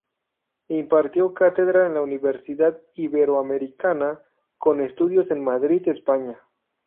Impartió cátedra en la Universidad Iberoamericana; con estudios en Madrid España.